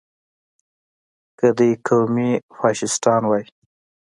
که دوی قومي فشیستان وای.